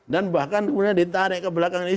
dan bahkan kemudian ditarik ke belakang ini